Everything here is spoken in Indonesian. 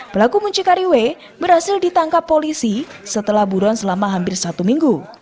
pelaku muncikari w berhasil ditangkap polisi setelah buron selama hampir satu minggu